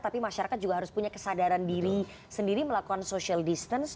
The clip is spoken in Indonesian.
tapi masyarakat juga harus punya kesadaran diri sendiri melakukan social distance